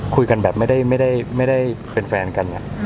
คุยกันแบบไม่ได้เป็นแฟนกัน